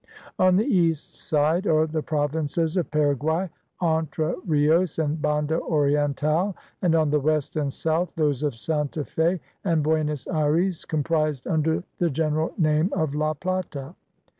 On the east side are the provinces of Paraguay, Entre Rios, and Banda Oriental, and on the west and south those of Santa Fe and Buenos Ayres, comprised under the general name of La Plata.